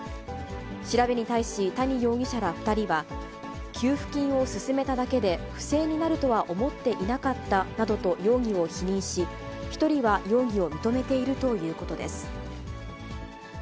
調べに対し、谷容疑者ら２人は、給付金を勧めただけで、不正になるとは思っていなかったなどと容疑を否認し、１人は容疑を認めているということです。